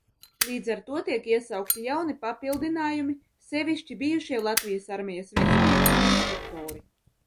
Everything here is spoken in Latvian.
Līdz ar to tiek iesaukti jauni papildinājumi, sevišķi bijušie Latvijas armijas virsnieki un instruktori.